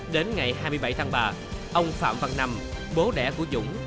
đến ngày hai mươi bảy tháng ba ông phạm văn năm bố đẻ của dũng